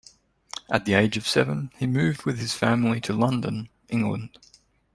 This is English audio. At the age of seven, he moved with his family to London, England.